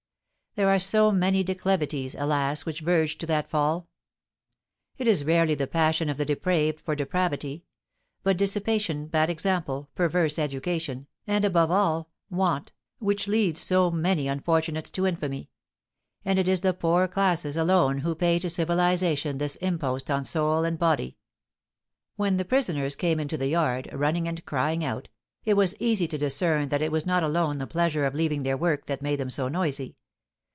There are so many declivities, alas, which verge to that fall! It is rarely the passion of the depraved for depravity; but dissipation, bad example, perverse education, and, above all, want, which lead so many unfortunates to infamy; and it is the poor classes alone who pay to civilisation this impost on soul and body. When the prisoners came into the yard, running and crying out, it was easy to discern that it was not alone the pleasure of leaving their work that made them so noisy.